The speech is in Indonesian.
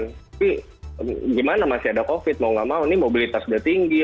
tapi gimana masih ada covid mau nggak mau nih mobilitas udah tinggi